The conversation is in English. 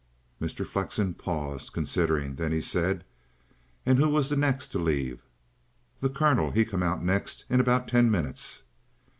Mr. Flexen paused, considering; then he said: "And who was the next to leave?" "The Colonel, 'e come out next in about ten minutes."